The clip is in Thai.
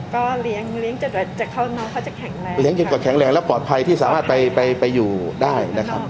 ก็เลี้ยงเลี้ยงจะจะเข้าน้องเขาจะแข็งแรงเลี้ยงกับแข็งแรงแล้วปลอดภัยที่สามารถไปไปไปอยู่ได้นะครับ